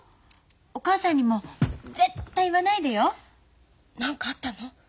お母さんにも絶対言わないでよ。何かあったの？